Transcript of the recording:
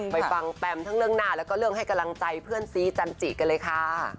ไปฟังแปมทั้งเรื่องหน้าแล้วก็เรื่องให้กำลังใจเพื่อนซีจันจิกันเลยค่ะ